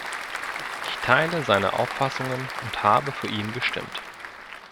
Ich teile seine Auffassungen und habe für ihn gestimmt.